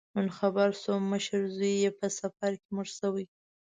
نن خبر شوم، مشر زوی یې په مسافرۍ مړ شوی.